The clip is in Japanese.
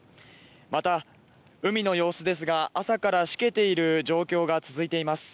また、海の様子ですが朝からしけている状況が続いています。